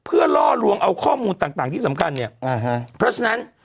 เพื่อลอกลวงข้อมูลต่างที่สำคัญเนี่ยเพราะฉะนั้น